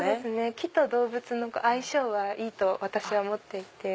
木と動物の相性がいいと私は思っていて。